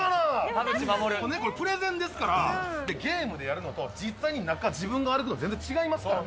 これね、プレゼンですから、ゲームでやるのと実際に中、自分で歩くの、全然違いますから。